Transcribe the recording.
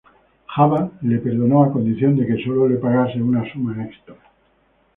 Jabba le perdonó a condición de que Solo le pagase una suma extra.